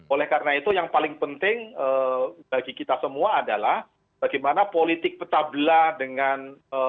oleh karena itu yang paling penting bagi kita semua adalah bagaimana politik pecah belah dengan